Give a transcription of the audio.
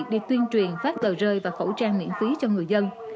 để tuyên truyền phát tờ rơi và khẩu trang miễn phí cho người dân